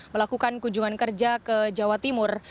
melakukan kunjungan kerja ke jawa timur